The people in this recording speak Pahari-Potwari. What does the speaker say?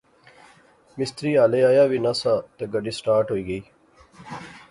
مستری ہالے ایا وی ناسا تے گڈی سٹارٹ ہوئی غئی